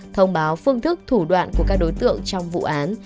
thông báo phương thức thủ đoạn của các đối tượng trong vụ án